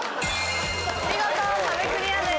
見事壁クリアです。